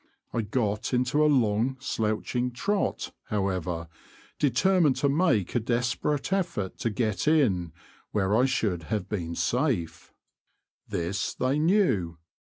I got into a long slouching trot, however, determined to make a desperate effort to get in, where I should have been safe. This they knew.